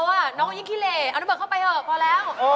น้องเขายิ่งคิเลเอาน้ำเบิร์ตเข้าไปเถอะพอแล้ว